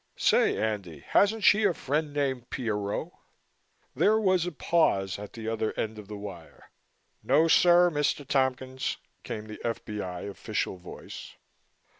Say, Andy, hasn't she a friend named Pierrot?" There was a pause at the other end of the wire. "No, sir, Mr. Tompkins," came the F.B.I. official voice.